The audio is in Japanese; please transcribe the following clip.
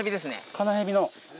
カナヘビの。